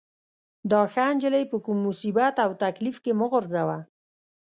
دا ښه نجلۍ په کوم مصیبت او تکلیف کې مه غورځوه.